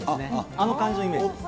あの感じのイメージです。